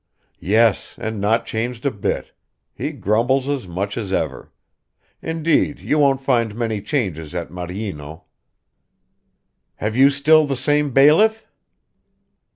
"Yes, and not changed a bit. He grumbles as much as ever. Indeed, you won't find many changes at Maryino." "Have you still the same bailiff?"